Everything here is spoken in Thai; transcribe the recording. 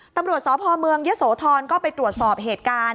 ตำรวจสพเมืองยะโสธรก็ไปตรวจสอบเหตุการณ์